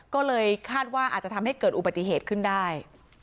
ก็เลยคาดว่าอาจจะทำให้เกิดอุบัติเหตุขึ้นได้